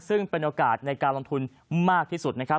ซึ่งเป็นโอกาสในการลงทุนมากที่สุดนะครับ